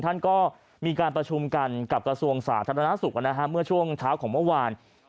ท่านก็มีการประชุมกันกับกระทรวงสาธารณสุขเมื่อช่วงเช้าของเมื่อวาน